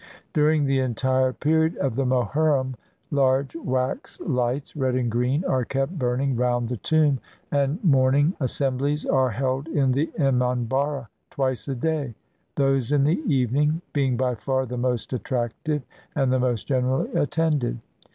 During the entire period of the Mohurrim, large wax 202 THE FESTIVAL OF THE MOHURRIM lights, red and green, are kept burning round the tomb, and mourning assemblies are held in the emanharra twice a day; those in the evening being by far the most attractive and the most generally attended.